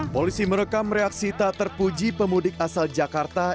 polisi merekam reaksi tak terpuji pemudik asal jakarta